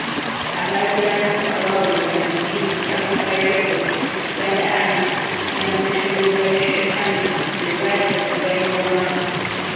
Abaazirwanako abaaweereza mu Kings Africa Rifles, Uganda Army, Uganda National Liberation Army, be baali okuganyulwamu.